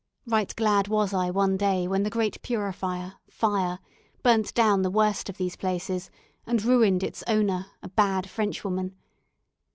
Right glad was I one day when the great purifier, Fire, burnt down the worst of these places and ruined its owner, a bad Frenchwoman.